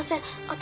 私